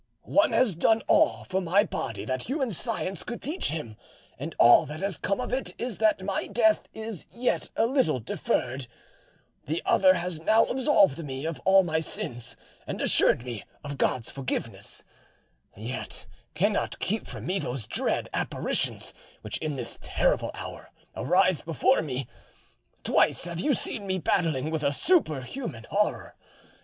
One has done all for my body that human science could teach him, and all that has come of it is that my death is yet a little deferred; the other has now absolved me of all my sins, and assured me of God's forgiveness, yet cannot keep from me those dread apparitions which in this terrible hour arise before me. Twice have you seen me battling with a superhuman horror.